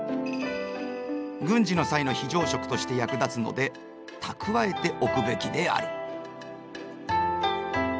軍事の際の非常食として役立つので蓄えておくべきである。